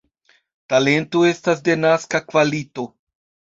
Talento estas denaska kvalito.